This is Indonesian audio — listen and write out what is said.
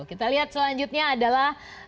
kita lihat selanjutnya adalah